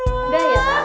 udah ya pak